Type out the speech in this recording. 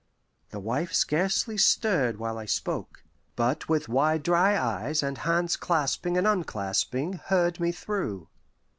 The wife scarcely stirred while I spoke, but with wide dry eyes and hands clasping and unclasping heard me through.